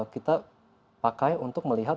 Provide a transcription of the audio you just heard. kita pakai untuk melihat